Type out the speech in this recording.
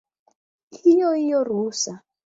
Hiyo hiyo ruhusa